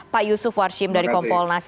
pak yusuf warshim dari kompolnas